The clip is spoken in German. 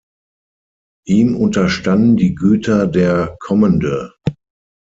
Ihm unterstanden die Güter der Kommende.